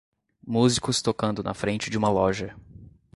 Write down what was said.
Músicos tocando na frente de uma loja